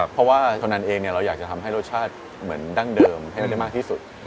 เพราะว่าเท่านั้นเองเราอยากจะทำให้รสชาติเหมือนดั้งเดิมให้เราได้มากที่สุด